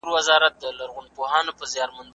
لیکل د لویانو په زده کړه کي تر اورېدلو ګټور دي.